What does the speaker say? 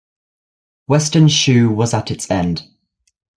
Western Shu was at its end.